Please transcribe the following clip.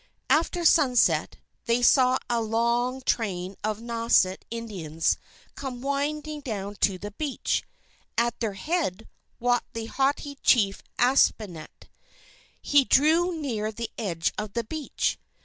After sunset, they saw a long train of Nauset Indians come winding down to the beach. At their head, walked their haughty Chief Aspinet. He drew near to the edge of the beach.